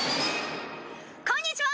こんにちはー！